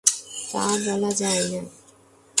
তা বলা যায় না।